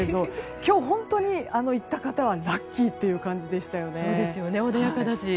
今日、本当に行った方はラッキーという感じですよね。